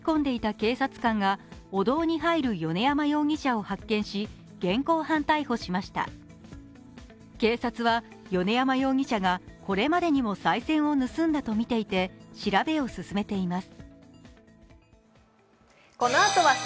警察は米山容疑者がこれまでにもさい銭を盗んだとみていて調べを進めています。